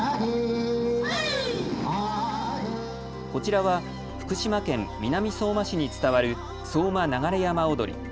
こちらは福島県南相馬市に伝わる相馬流山踊り。